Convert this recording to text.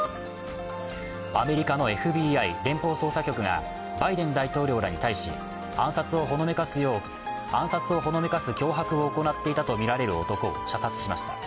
アメリカのＦＢＩ＝連邦捜査局がバイデン大統領らに対し暗殺をほのめかす脅迫を行っていたとみられる男を射殺しました。